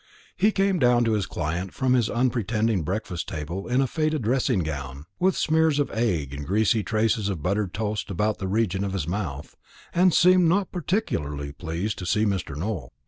He came down to his client from his unpretending breakfast table in a faded dressing gown, with smears of egg and greasy traces of buttered toast about the region of his mouth, and seemed not particularly pleased to see Mr. Nowell.